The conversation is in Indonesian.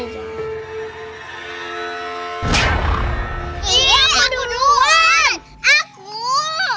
ih aku duluan